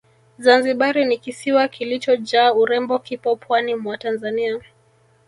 Zanzibari ni kisiwa kilichojaa urembo kipo pwani mwa Tanzania